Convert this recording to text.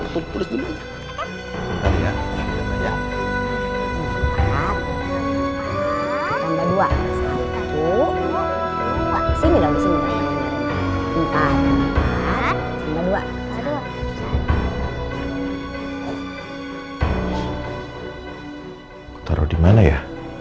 tulis dulu ya